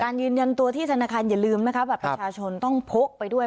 ยืนยันตัวที่ธนาคารอย่าลืมนะคะบัตรประชาชนต้องพกไปด้วย